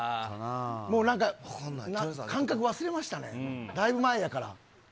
もうなんか、感覚忘れましたね、だいぶ前やから。